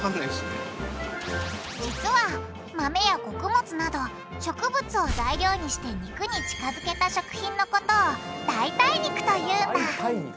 実は豆や穀物など植物を材料にして肉に近づけた食品のことを「代替肉」と言うんだ。